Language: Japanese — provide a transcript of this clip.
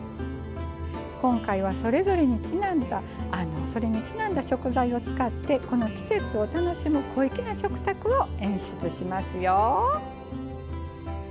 今回は、それぞれにちなんだ食材を使って、この季節を楽しむ小粋な食卓を演出しますよ。